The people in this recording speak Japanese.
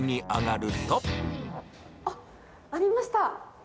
あっ、ありました。